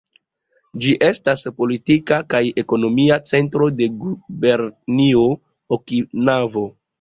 Ĝi estas politika kaj ekonomia centro de la Gubernio Okinavo.